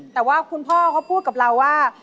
แต่ว่าคุณพ่อเขาพูดกับเราว่า